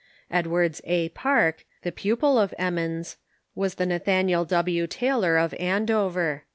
Edwards A. Park, the pupil of Emmons, was the Nathaniel W. Taylor of Andover.